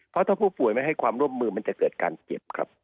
เพราะถ้าผู้ป่วยไม่ให้ความร่วมมือมันจะเกิดการเจ็บครับ